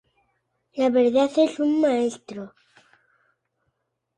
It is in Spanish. La verdad es un maestro.